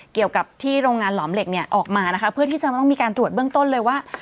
เกี่ยวกับที่โรงงานหลอมเหล็กเนี่ยออกมานะคะเพื่อที่จะต้องมีการตรวจเบื้องต้นเลยว่า